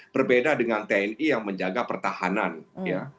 berbeda dengan tni yang menjaga pertahanan ya